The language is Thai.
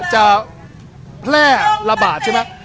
จะแพร่ระบาดใช่ไหม